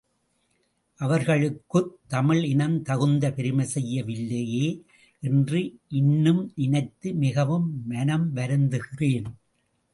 அவர்களுக்குத் தமிழ்இனம் தகுந்த பெருமை செய்ய வில்லையே என்று இன்னும் நினைத்து மிகவும் மனம் வருந்துகிறேன்.